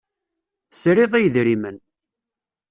Tesriḍ i yedrimen.